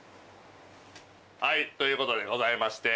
はいということでございまして